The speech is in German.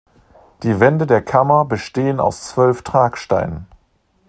Die Wände der Kammer bestehen aus zwölf Tragsteinen.